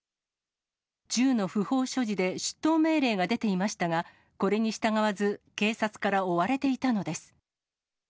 銃の不法所持で出頭命令が出ていましたが、これに従わず、警察から追われていたのです。